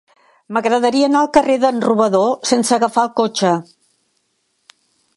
M'agradaria anar al carrer d'en Robador sense agafar el cotxe.